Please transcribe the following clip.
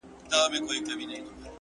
يو څه خو وايه کنه يار خبري ډيري ښې دي ـ